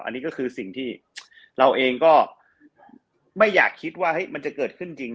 อันนี้ก็คือสิ่งที่เราเองก็ไม่อยากคิดว่ามันจะเกิดขึ้นจริง